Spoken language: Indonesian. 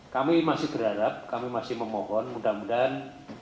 kami masih berharap kami masih memohon mudah mudahan